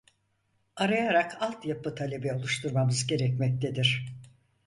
Arayarak alt yapı talebi oluşturmanız gerekmektedir.